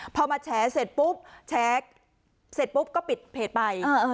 พอมาแฉเสร็จปุ๊บแฉก็ปิดเป็นไปเออเออ